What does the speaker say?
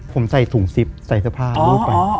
ผมใส่ถุงซิปใส่เสื้อผ้ารูปไป